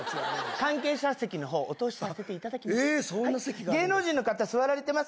関係者席のほうお通しさせていただきます。